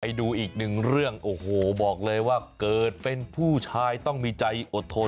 อีกหนึ่งเรื่องโอ้โหบอกเลยว่าเกิดเป็นผู้ชายต้องมีใจอดทน